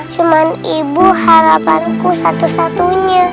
cuma ibu harapanku satu satunya